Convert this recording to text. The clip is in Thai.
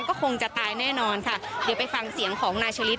ก็คงจะตายแน่นอนค่ะเดี๋ยวไปฟังเสียงของนายชะลิด